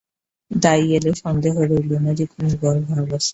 দাই এল, সন্দেহ রইল না যে কুমুর গর্ভাবস্থা।